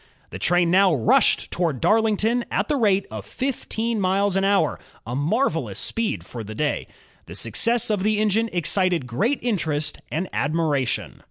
The train now rushed toward Darlington at the rate of fifteen miles an hour, a marvelous speed for the day. The success of the engine excited great interest and admiration.